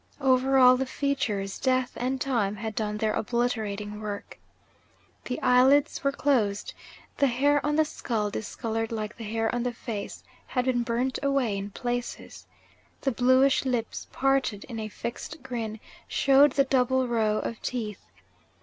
Over all the features death and time had done their obliterating work. The eyelids were closed. The hair on the skull, discoloured like the hair on the face, had been burnt away in places. The bluish lips, parted in a fixed grin, showed the double row of teeth.